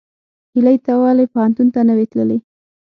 هیلۍ ته ولې پوهنتون ته نه وې تللې؟